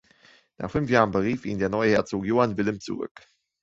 Nach fünf Jahren berief ihn der neue Herzog Johann Wilhelm zurück.